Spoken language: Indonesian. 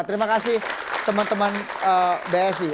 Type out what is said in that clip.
terima kasih teman teman bsi